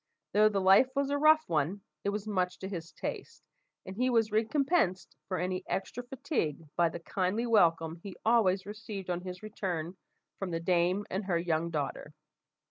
Though the life was a rough one, it was much to his taste; and he was recompensed for any extra fatigue by the kindly welcome he always received on his return from the dame and her young daughter.